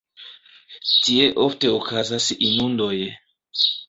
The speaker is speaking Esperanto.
Tie ofte okazas inundoj.